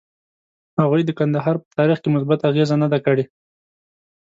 هغوی د کندهار په تاریخ کې مثبته اغیزه نه ده کړې.